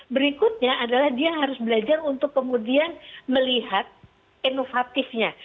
berikutnya adalah dia harus belajar untuk kemudian melihat inovatifnya